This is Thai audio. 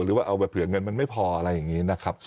หรือว่าเอาไปเผื่อเงินมันไม่พออะไรอย่างนี้นะครับ